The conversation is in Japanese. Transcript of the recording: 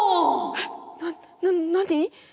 えっなな何？